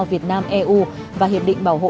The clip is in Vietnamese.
việt nam eu và hiệp định bảo hộ